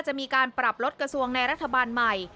จะมีการปรับลดกระทรวงในรัฐบาลใหม่